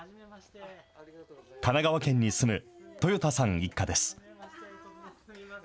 神奈川県に住む、豊田さん一家です。